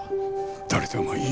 誰でもいい。